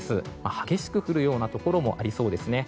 激しく降るようなところもありそうですね。